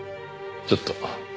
ちょっと。